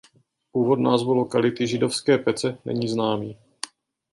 Původ názvu lokality "Židovské pece" není známý.